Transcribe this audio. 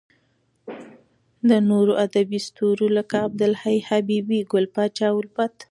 د نورو ادبې ستورو لکه عبد الحی حبیبي، ګل پاچا الفت .